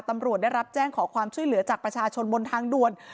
ตำรวจได้รับแจ้งขอความช่วยเหลือจากประชาชนบนทางด่วน